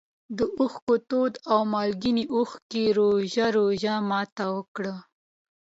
د اوښکو تودو او مالګینو اوبو د روژې روژه ماتي وکړ.